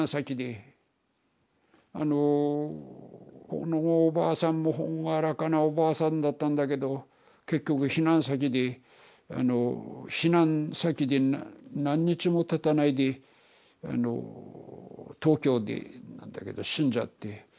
あのこのおばあさんも朗らかなおばあさんだったんだけど結局避難先であの避難先で何日もたたないであの東京でなんだけど死んじゃって。